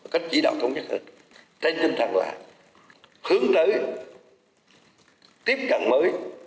cách chỉ đạo thống nhất hơn tên nhân thẳng loại hướng tới tiếp cận mới